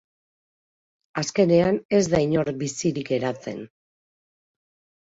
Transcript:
Azkenean ez da inor bizirik geratzen.